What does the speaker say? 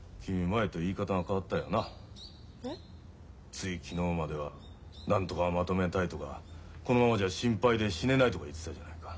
つい昨日まではなんとかまとめたいとかこのままじゃ心配で死ねないとか言ってたじゃないか。